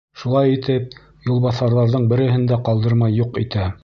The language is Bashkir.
Шулай итеп юлбаҫарҙарҙың береһен дә ҡалдырмай юҡ итә.